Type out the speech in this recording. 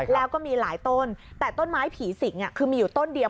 แล้วก็มีหลายต้นแต่ต้นไม้ผีสิงคือมีอยู่ต้นเดียว